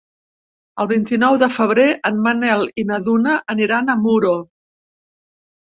El vint-i-nou de febrer en Manel i na Duna aniran a Muro.